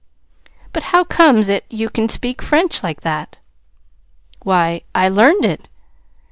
"But how comes it you can speak French like that?" "Why, I learned it."